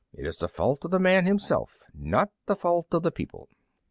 It is the fault of the man himself, not the fault of the people!"